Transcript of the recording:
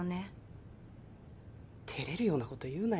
照れるようなこと言うなよ。